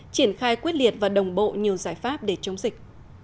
triển khai quyết liệt và đồng bộ nhiều giải pháp để chống dịch